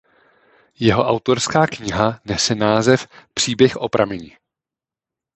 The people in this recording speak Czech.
Jeho autorská kniha nese název "Příběh o prameni".